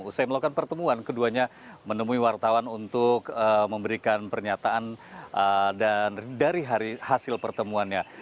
usai melakukan pertemuan keduanya menemui wartawan untuk memberikan pernyataan dari hasil pertemuannya